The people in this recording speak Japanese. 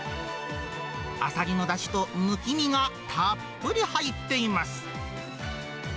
あさりのだしと、むき身がたっぷり入っています。